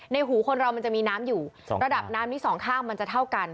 หูคนเรามันจะมีน้ำอยู่ระดับน้ำนี้สองข้างมันจะเท่ากัน